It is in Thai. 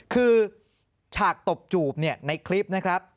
คือฉากตบจูบในคลิปนะครับ